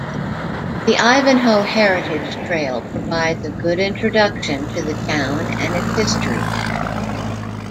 The Ivanhoe Heritage Trail provides a good introduction to the town and its history.